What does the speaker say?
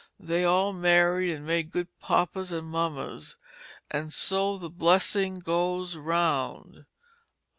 They all married and made good Papas and Mamas, and so the blessing goes round."